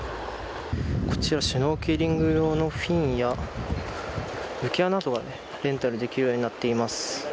こちらシュノーケリング用のフィンや浮輪などがレンタルできるようになっています。